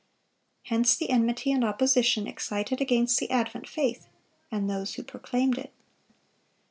Hence the enmity and opposition excited against the advent faith and those who proclaimed it.